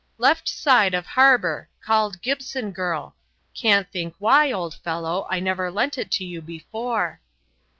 "Left side of harbour called Gibson Girl can't think why, old fellow, I never lent it you before."